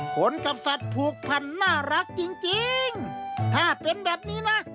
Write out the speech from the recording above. กับสัตว์ผูกพันน่ารักจริงจริงถ้าเป็นแบบนี้นะ